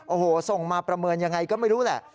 โอ้โหส่งมาประเมินยังไงก็ไม่รู้แหละ